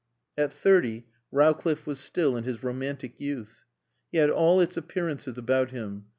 At thirty Rowcliffe was still in his romantic youth. He had all its appearances about him.